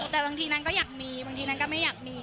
แต่บางทีนางก็อยากมีบางทีนางก็ไม่อยากมี